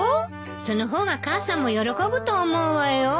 その方が母さんも喜ぶと思うわよ。